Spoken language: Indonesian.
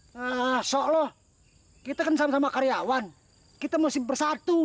nah solo kita kan sama sama karyawan kita mesti bersatu